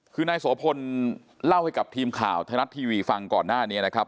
คือนายโสพลเล่าให้กับทีมข่าวไทยรัฐทีวีฟังก่อนหน้านี้นะครับ